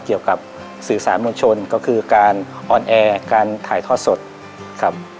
เกี่ยวกับสื่อสารมวลชนก็คือการออนแอร์การถ่ายทอดสดครับ